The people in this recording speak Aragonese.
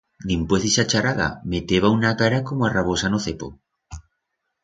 Dimpués d'ixa charada, meteba una cara como a rabosa en o cepo!